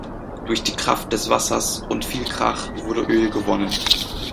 Durch die Kraft des Wassers und viel Krach wurde Öl gewonnen.